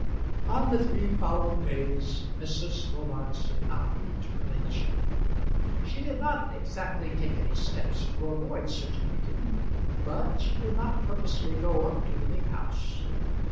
On the three following days, Mrs. Robarts did not meet her ladyship. She did not exactly take any steps to avoid such a meeting, but she did not purposely go up to the big house.